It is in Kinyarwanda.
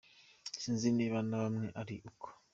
Sinzi niba na mwe ari uko….